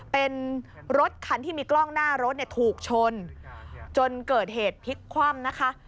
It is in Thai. เป็นรถคันที่มีกล้องหน้ารถเนี่ยถูกชนจนเกิดเหตุพลิกคว่ำนะคะ